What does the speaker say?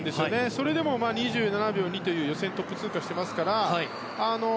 それでも２７秒２という予選トップ通過してますから。